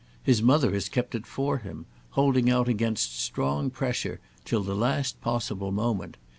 His mother has kept it for him, holding out against strong pressure, till the last possible moment.